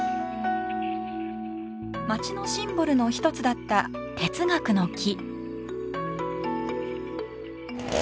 町のシンボルの一つだった哲学の木。